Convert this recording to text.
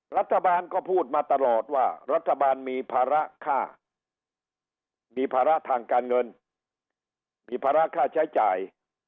รัฐบาลก็พูดมาตลอดว่ารัฐบาลมีภาระค่ามีภาระทางการเงินมีภาระค่าใช้จ่าย